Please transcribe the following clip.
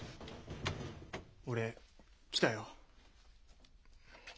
俺来たよ。